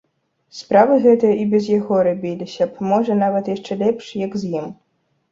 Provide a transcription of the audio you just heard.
Справы гэтыя і без яго рабіліся б, можа, нават яшчэ лепш, як з ім.